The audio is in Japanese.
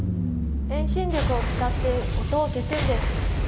遠心力を使って音を消すんです。